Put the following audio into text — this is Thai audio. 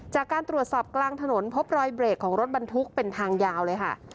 จากการตรวจสอบกลางถนนพบรอยเบรกของรถบรรทุกเป็นทางยาวเลยค่ะ